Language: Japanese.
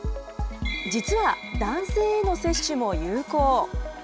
実は男性への接種も有効。